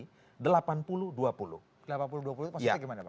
delapan puluh dua puluh itu maksudnya gimana pak